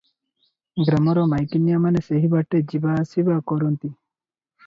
ଗ୍ରାମର ମାଇକିନିଆମାନେ ସେହିବାଟେ ଯିବାଆସିବା କରନ୍ତି ।